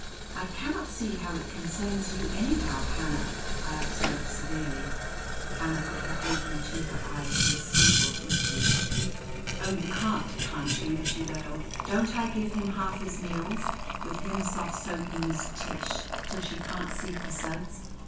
"I cannot see how it concerns you, anyhow, Hannah," I observed severely. Hannah put her apron to her eyes and sniffled into it. "Oh, you can't, can't you!" she wailed. "Don't I give him half his meals, with him soft soapin' Miss Tish till she can't see for suds?